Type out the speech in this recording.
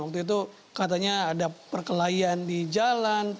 waktu itu katanya ada perkelahian di jalan